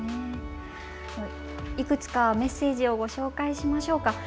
いくつかメッセージをご紹介しましょうか。